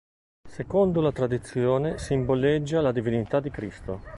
Secondo la tradizione simboleggia la divinità di Cristo.